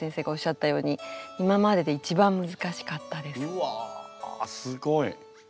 うわすごい。